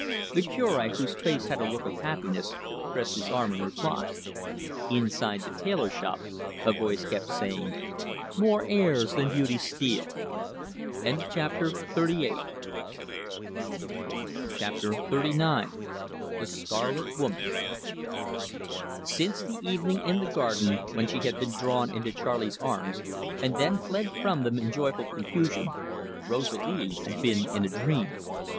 The Cure, whose face had a look of happiness, pressed his arm in reply. Inside the tailor shop, a voice kept saying, "More airs than Beauty Steele!" CHAPTER XXXIX. THE SCARLET WOMAN Since the evening in the garden when she had been drawn into Charley's arms, and then fled from them in joyful confusion, Rosalie had been in a dream.